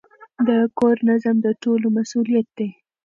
د کور نظم د ټولو مسئولیت دی.